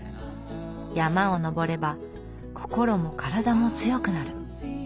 山を登れば心も体も強くなる。